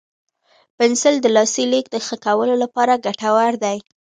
پنسل د لاسي لیک د ښه کولو لپاره ګټور دی.